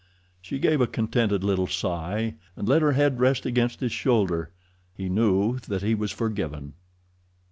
She gave a contented little sigh, and let her head rest against his shoulder. He knew that he was forgiven.